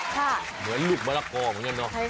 เหมือนลูกมะละกอเหมือนกันเนาะ